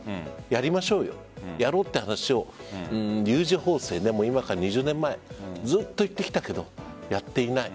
やりましょうやろうという話を有事法制、今から２０年前ずっと言ってきたけれどやっていない。